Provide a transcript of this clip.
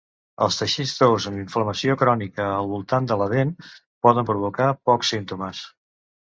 Els teixits tous amb inflamació crònica al voltant de la dent poden provocar pocs símptomes.